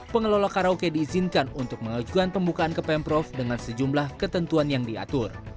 pengelola karaoke diizinkan untuk mengajukan pembukaan ke pemprov dengan sejumlah ketentuan yang diatur